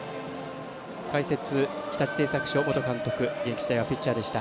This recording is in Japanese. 解説、日立製作所元監督現役時代はピッチャーでした。